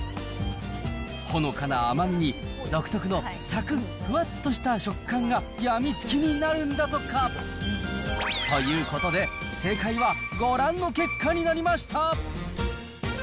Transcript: ほのかな甘みに、独特のさくっ、ふわっとした食感が病みつきになるんだとか。ということで、正解はご覧の結果になりました。